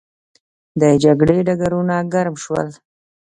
د جګړې ډګرونه ګرم شول.